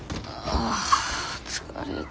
あ疲れた。